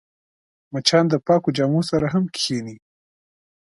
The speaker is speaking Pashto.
مچان د پاکو جامو سره هم کښېني